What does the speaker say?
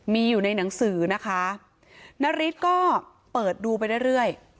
มีอยู่ในหนังสือนะคะนาริสก็เปิดดูไปเรื่อย